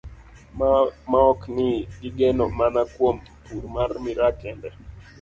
Maok ni gigeno mana kuom pur mar miraa kende.